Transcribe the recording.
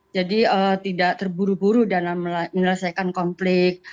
jadi tidak terburu buru dalam menyelesaikan konflik